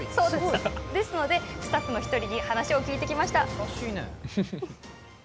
ですので、スタッフの１人に話を聞いてきました。